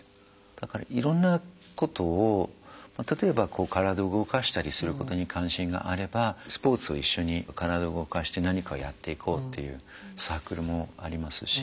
だからいろんなことを例えば体を動かしたりすることに関心があればスポーツを一緒に体を動かして何かをやっていこうっていうサークルもありますし